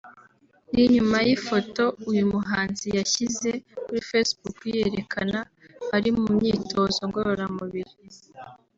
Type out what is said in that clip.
ni nyuma y’ifoto uyu muhanzi yashyize kuri Facebook yiyerekana ari mu myitozo ngororamubiri